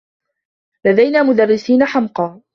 لدينا مدرّسين حمقى.